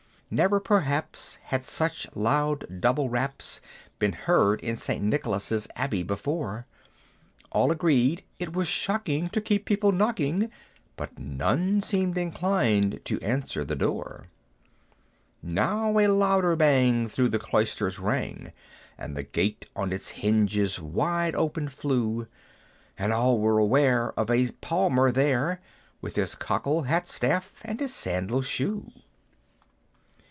Never, perhaps, had such loud double raps Been heard in St. Nicholas's Abbey before; All agreed "it was shocking to keep people knocking," But none seemed inclined to "answer the door." Now a louder bang through the cloisters rang, And the gate on its hinges wide open flew; And all were aware of a Palmer there, With his cockle, hat, staff, and his sandal shoe.